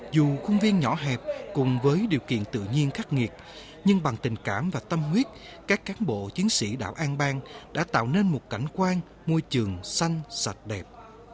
dù khuôn viên nhỏ hẹp cùng với điều kiện tự nhiên khắc nghiệt nhưng bằng tình cảm và tâm huyết các cán bộ chiến sĩ đảo an bang đã tạo nên một cảnh quan môi trường xanh sạch đẹp